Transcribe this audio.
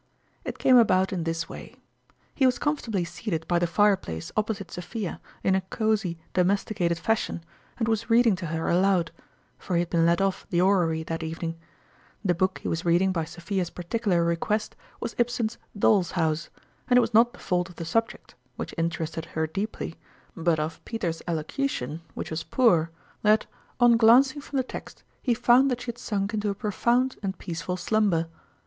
It came about in this way. He was com fortably seated by the fireplace opposite Sophia in a cosy, domesticated fashion, and was read ing to her aloud ; for he had been let off the orrery that evening. The book he was reading by Sophia's particular request was Ibsen's DoWs House, and it was not the fault of the subject (which interested her deeply), but of Peter's elocution, which was poor, that, on Jkriobti 103 glancing from the text, lie found that she had sunk into a profound and peaceful slum ber.